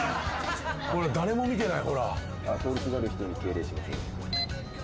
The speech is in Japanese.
誰も見てない。